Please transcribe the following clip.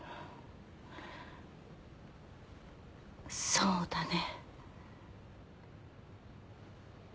そうだね。